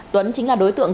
tuấn chính là đối tượng